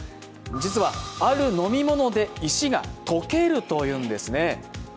実はある飲み物で石が溶けるというんですね。